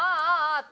って。